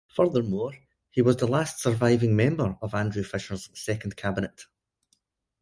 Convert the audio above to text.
Furthermore, he was the last surviving member of Andrew Fisher's second Cabinet.